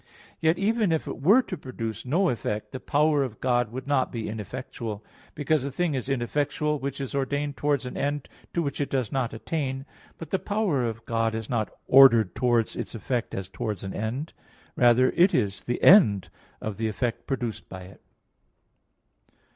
Yet even if it were to produce no effect, the power of God would not be ineffectual; because a thing is ineffectual which is ordained towards an end to which it does not attain. But the power of God is not ordered toward its effect as towards an end; rather, it is the end of the effect produced by it.